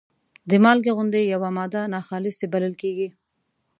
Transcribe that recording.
د مالګې غوندې یوه ماده ناخالصې بلل کیږي.